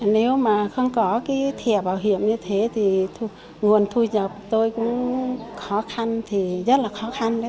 nếu mà không có cái thẻ bảo hiểm như thế thì nguồn thu nhập tôi cũng khó khăn thì rất là khó khăn